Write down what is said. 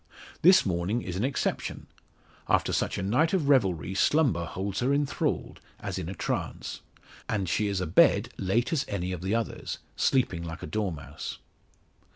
This morning is an exception. After such a night of revelry, slumber holds her enthralled, as in a trance; and she is abed late as any of the others, sleeping like a dormouse.